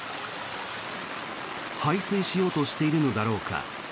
排水しようとしているのだろうか。